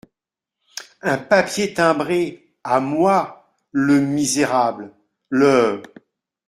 Un papier timbré, à moi !… le misérable !… le…